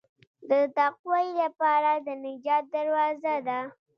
د تقوی لاره د نجات دروازه ده.